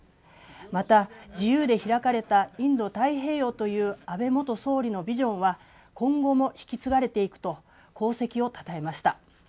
また自由で開かれたインド太平洋という安倍元総理のビジョンは今後も引き継がれていくと功績をたたえました。